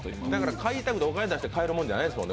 買いたくてもお金出して買えるものじゃないですよね。